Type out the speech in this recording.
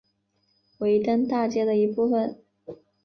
维登大街的一部分。